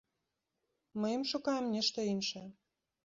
Мы ім шукаем нешта іншае.